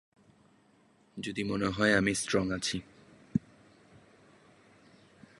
যদি মনে হয় আমি স্ট্রং আছি।